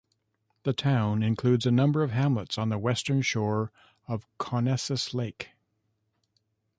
The town includes a number of hamlets on the western shore of Conesus Lake.